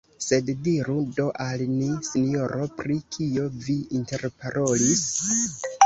Sed diru do al ni, sinjoro, pri kio vi interparolis?